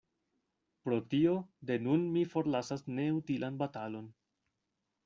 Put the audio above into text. Pro tio, de nun mi forlasas neutilan batalon.